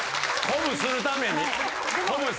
鼓舞するためにや。